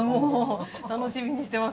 楽しみにしてます。